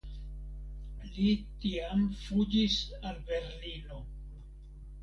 Li tiam fuĝis al Berlino.